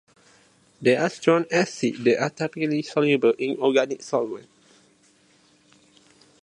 They are strong acids that are typically soluble in organic solvents.